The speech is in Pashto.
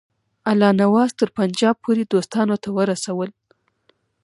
الله نواز تر پنجاب پوري دوستانو ته ورسول.